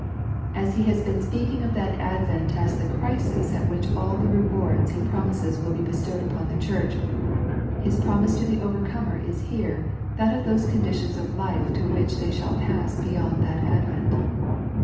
As He has been speaking of that ad vent as the crisis at which all the rewards He promises will be bestowed upon the church, His promise to the overcomer is here that of those conditions of life to which they shall pass beyond that advent.